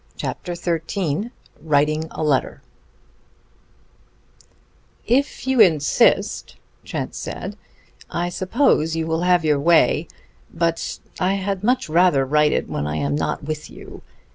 CHAPTER XIII WRITING A LETTER "If you insist," Trent said, "I suppose you will have your way. But I had much rather write it when I am not with you.